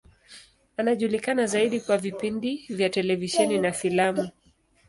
Anajulikana zaidi kwa vipindi vya televisheni na filamu.